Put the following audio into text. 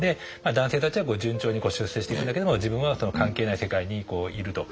男性たちは順調に出世していくんだけども自分は関係ない世界にいると。